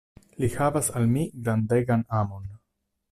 Li havas al mi grandegan amon.